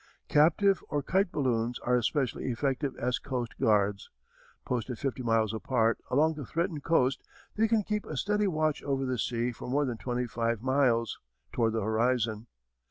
Captive or kite balloons are especially effective as coast guards. Posted fifty miles apart along a threatened coast they can keep a steady watch over the sea for more than twenty five miles toward the horizon.